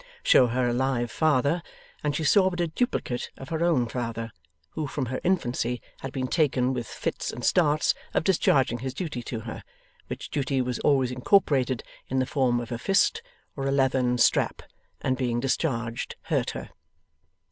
Show her a live father, and she saw but a duplicate of her own father, who from her infancy had been taken with fits and starts of discharging his duty to her, which duty was always incorporated in the form of a fist or a leathern strap, and being discharged hurt her.